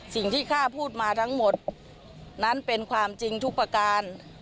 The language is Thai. ข้าพูดมาทั้งหมดนั้นเป็นความจริงทุกประการ